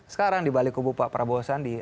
sekarang di balik kubu pak prabowo sandi